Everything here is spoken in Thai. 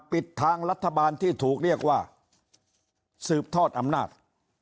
ปิดทางรัฐบาลที่ถูกเรียกว่าสืบทอดอำนาจ